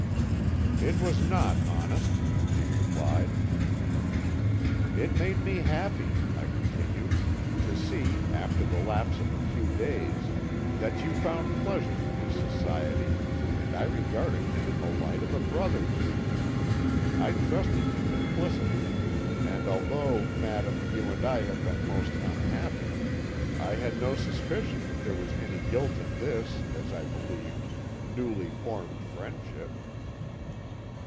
"'It was not honest,' she replied. "'It made me happy,' I continued, 'to see, after the lapse of a few days, that you found pleasure in his society, and I regarded him in the light of a brother to you. I trusted him implicitly, and although, madam, you and I have been most unhappy, I had no suspicion that there was any guilt in this, as I believed, newly formed friendship.'